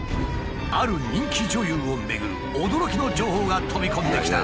ある人気女優をめぐる驚きの情報が飛び込んできた。